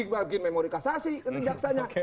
bagi memori kasasi nanti jaksanya